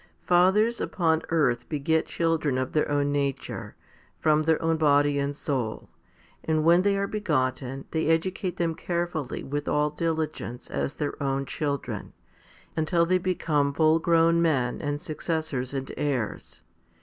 Fathers upon earth beget children of their own nature, from their own body and soul, and when they are begotten they educate them carefully with all diligence as their own children, until they become full grown men and successors and heirs.